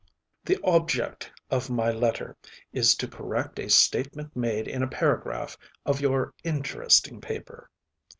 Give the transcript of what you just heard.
The object of my letter is to correct a statement made in a paragraph of your interesting paper.